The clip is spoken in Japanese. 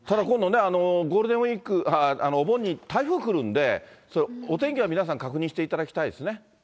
ただ、今度ね、お盆に台風来るんで、お天気は皆さん確認していただきたいですね。